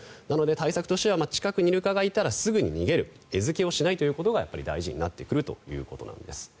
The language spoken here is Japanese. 対策としては近くにイルカがいたらすぐに逃げる餌付けをしないということが大事になってくるということです。